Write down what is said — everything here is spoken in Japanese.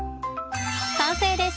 完成です！